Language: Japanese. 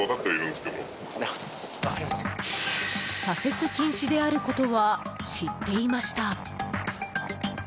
左折禁止であることは知っていました。